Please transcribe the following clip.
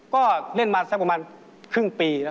ก็เล่นมาสักประมาณครึ่งปีนะ